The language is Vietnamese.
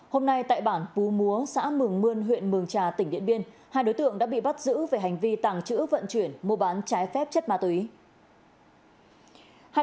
hôm nay tại bản púa xã mường mươn huyện mường trà tỉnh điện biên hai đối tượng đã bị bắt giữ về hành vi tàng trữ vận chuyển mua bán trái phép chất ma túy